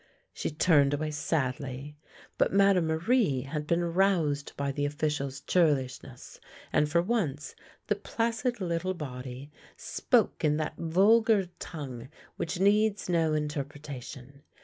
She turned away sadly, but Madame Marie had been roused by the offi cial's churlishness, and for once the placid little body spoke in that vulgar tongue which needs no interpreta tion.